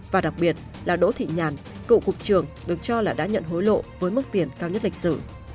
và đặc biệt là đỗ thị nhàn cựu cục trưởng được cho là đã nhận hối lộ với mức tiền cao nhất lịch sử